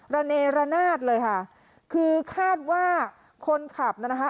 ระเนระนาดเลยค่ะคือคาดว่าคนขับน่ะนะคะ